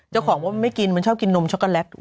เจ้าของว่าไม่กินมันชอบกินนมช็อกโกแลต